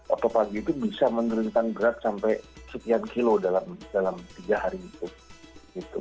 oto pagi itu bisa menurunkan berat sampai sekian kilo dalam tiga hari itu